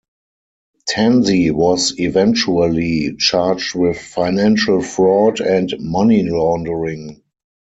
Tanzi was eventually charged with financial fraud and money laundering.